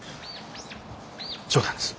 冗談です。